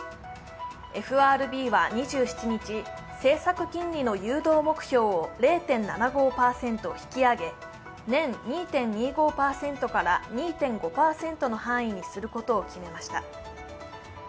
ＦＲＢは２７日、政策金利の誘導目標を０．７５％引き上げ年２．２５％から２．５％の範囲にすることを決めました。